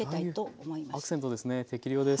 アクセントですね適量です。